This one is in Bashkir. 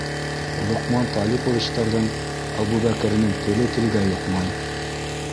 Лоҡман Талиповичтарҙың Әбүбәкеренең теле телгә йоҡмай.